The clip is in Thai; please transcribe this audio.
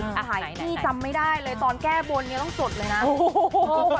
นี่จำไม่ได้เลยตอนแก้บนต้องสดเลยนะ